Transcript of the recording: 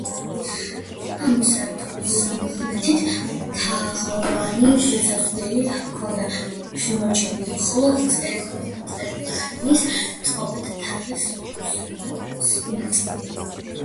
ამ სართულს სამხრეთით თაღოვანი შესასვლელი ჰქონია, შემორჩენილია მხოლოდ წირთხლის წყობა და თაღის ქუსლის ნაწილი.